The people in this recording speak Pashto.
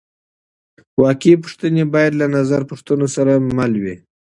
واقعي پوښتنې باید له نظري پوښتنو سره مل وي.